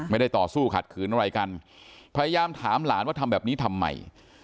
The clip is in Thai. ต่อสู้ขัดขืนอะไรกันพยายามถามหลานว่าทำแบบนี้ทำไม